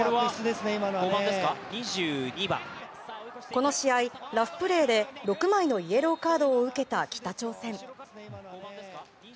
この試合、ラフプレーで６枚のイエローカードを受けた北朝鮮。